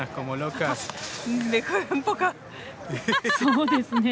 そうですね。